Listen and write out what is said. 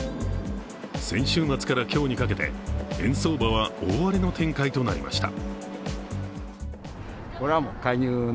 先週末から今日にかけて円相場は大荒れの展開となりました。